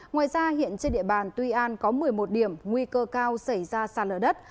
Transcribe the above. ngoài ra hiện trên địa bàn tuy an có một mươi một điểm nguy cơ cao xảy ra sạt lở đất